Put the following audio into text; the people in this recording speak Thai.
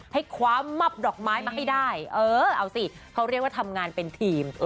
ให้คว้ามับดอกไม้มาให้ได้เออเอาสิเขาเรียกว่าทำงานเป็นทีม